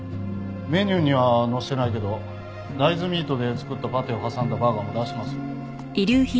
メニューには載せてないけど大豆ミートで作ったパテを挟んだバーガーも出してますよ。